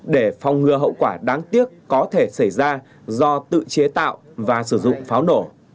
để phòng ngừa hậu quả đáng tiếc có thể xảy ra do tự chế tạo và sử dụng pháo nổ